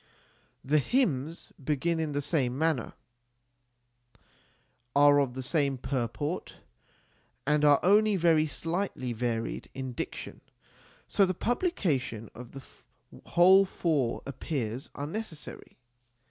The hymns begin in the same manner, are of the same purport, and are only very slightly varied in diction, so the publication of the whole four appears unnecessary.